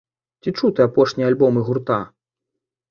Ці чуў ты апошнія альбомы гурта?